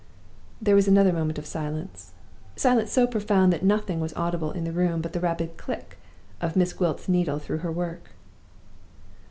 There was another moment of silence silence so profound that nothing was audible in the room but the rapid click of Miss Gwilt's needle through her work.